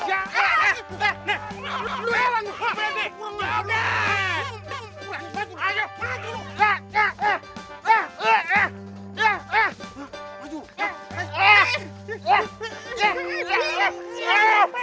eh eh eh lewat ini